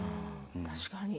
確かに。